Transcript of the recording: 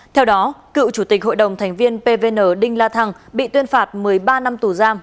theo đó cựu chủ tịch hội đồng thành viên pvn đinh la thăng bị tuyên phạt một mươi ba năm tù giam